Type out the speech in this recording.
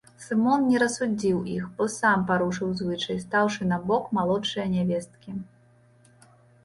Сымон не рассудзіў іх, бо сам парушыў звычай, стаўшы на бок малодшае нявесткі.